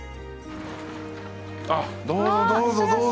あどうぞどうぞどうぞ。